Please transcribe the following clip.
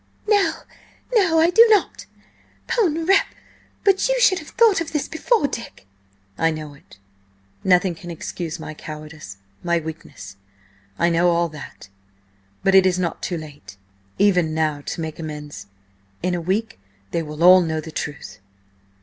"No! No! I do not! 'Pon rep., but you should have thought of this before, Dick!" "I know it. Nothing can excuse my cowardice–my weakness. I know all that, but it is not too late even now to make amends. In a week they will all know the truth."